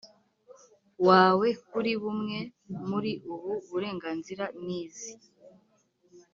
wawe kuri bumwe muri ubu burenganzira n izi